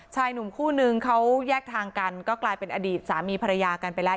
ชายหนุ่มคู่นึงเขาแยกทางกันก็กลายเป็นอดีตสามีภรรยากันไปแล้ว